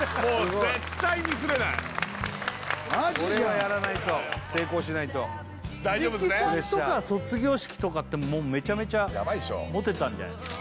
これはやらないと成功しないと大丈夫ですね藤木さんとか卒業式とかってもうめちゃめちゃモテたんじゃないですか？